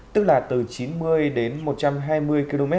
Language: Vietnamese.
tức là từ chín mươi đến một trăm hai mươi km